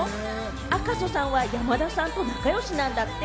赤楚さんは、山田さんと仲良しなんだって？